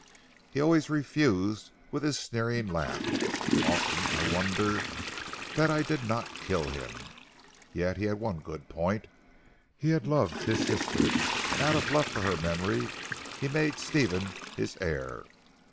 He always refused with his sneering laugh. Often I wonder that I did not kill him. Yet he had one good point. He had loved his sister, and out of love for her memory, he made Stephen his heir.